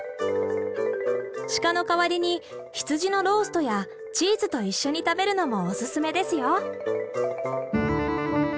シカのかわりに羊のローストやチーズと一緒に食べるのもおすすめですよ。